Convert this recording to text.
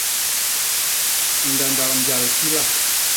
Ñgandak njal kila!